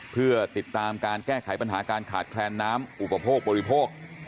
เพื่อติดตามการแก้ไขปัญหาการขาดแคลนน้ำอุปโภคบริโภค